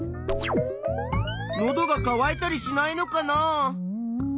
のどがかわいたりしないのかな？